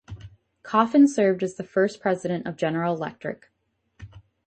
Coffin served as the first president of General Electric.